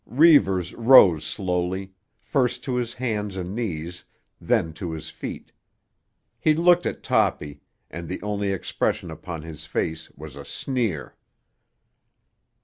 Reivers rose slowly, first to his hands and knees, then to his feet. He looked at Toppy, and the only expression upon his face was a sneer.